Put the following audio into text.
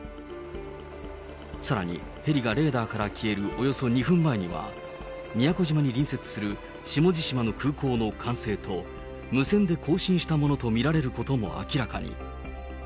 さらに、ヘリがレーダーから消えるおよそ２分前には、宮古島に隣接する下地島の空港の管制と無線で交信したものと見られることも明らかに。